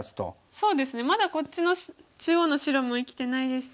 そうですねまだこっちの中央の白も生きてないですし。